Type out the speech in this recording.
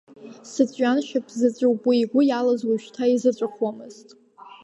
Сыҵәҩаншьапзаҵәуп, уи игәы иалаз уажәшьҭа изыҵәахуамызт.